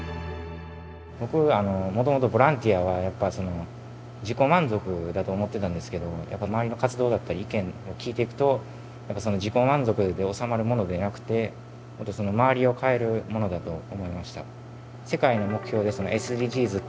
僕もともとボランティアはやっぱ自己満足だと思ってたんですけどやっぱ周りの活動だったり意見を聞いていくと自己満足で収まるものでなくて周りを変えるものだと思いました。